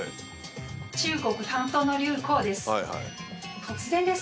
中国担当の劉浩です。